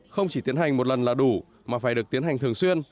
không chỉ tiến hành một lần là đủ mà phải được tiến hành thường xuyên